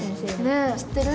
ねえ知ってる？